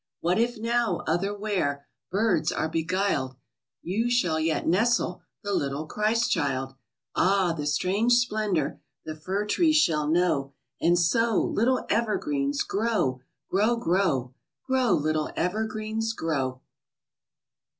What if now, otherwhere, Birds are beguiled, You shall yet nestle The little Christ child! Ah! the strange splendor The fir trees shall know! And so, Little evergreens, grow! Grow, grow! Grow, little evergreens, grow!